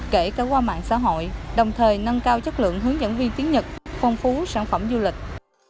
kể cả qua mạng xã hội đồng thời nâng cao chất lượng hướng dẫn viên tiếng nhật phong phú sản phẩm du lịch